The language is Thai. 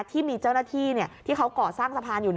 ที่มีเจ้าหน้าที่ที่เขาก่อสร้างสะพานอยู่